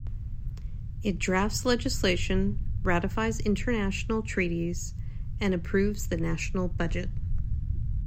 It drafts legislation, ratifies international treaties, and approves the national budget.